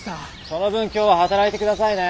その分今日は働いて下さいね。